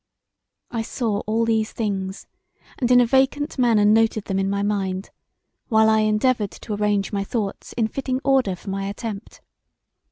I saw all these things and in a vacant manner noted them in my mind while I endeavoured to arrange my thoughts in fitting order for my attempt.